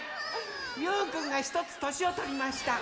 ゆうくんがひとつとしをとりました。